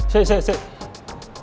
sekejap sekejap sekejap